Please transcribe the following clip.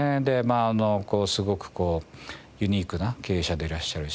あのすごくユニークな経営者でいらっしゃるし。